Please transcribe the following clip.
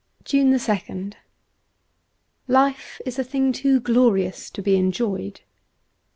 169 JUNE 2nd 1IFE is a thing too glorious to be en _j joyed.